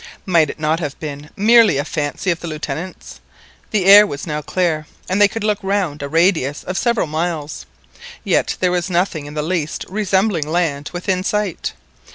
Might it not have been merely a fancy of the Lieutenant's? The air was now clear, and they could look round a radius of several miles; yet there was nothing in the least resembling land within sight.